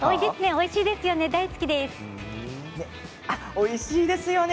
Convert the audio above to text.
おいしいですよね。